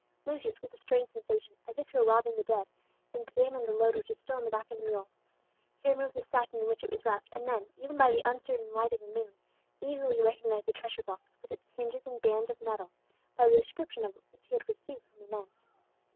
Lucius, with a strange sensation, as if he were robbing the dead, examined the load which was still on the back of the mule. He removed the sacking in which it was wrapped, and then, even by the uncertain light of the moon, easily recognized the treasure box, with its hinges and bands of metal, by the description of it which he had received from Inez.